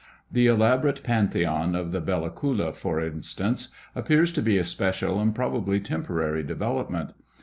The elaborate pantheon of the Bella Coola, for instance, appears to be a special and probably temporary development.